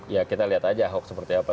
ya kita lihat aja ahok seperti apa